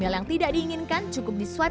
email yang tidak diinginkan cukup di swipe ke kiri